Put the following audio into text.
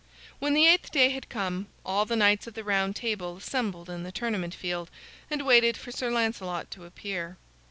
When the eighth day had come, all the knights of the Round Table assembled in the tournament field and waited for Sir Lancelot to appear.